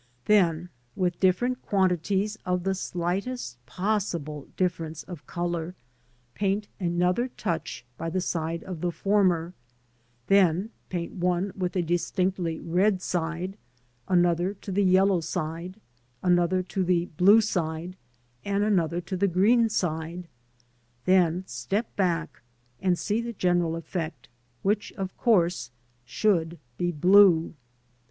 Then with different quantities of the slightest possible difference of colour, paint another touch by the side of the former; then paint one with a distinctly red side, another to the yellow side, another to the blue side, and another to the green side; then step back and see the general effect, which, of course, should be blue.